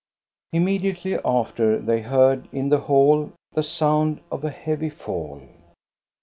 Immediately after, they heard in the hall the sound of a heavy fall.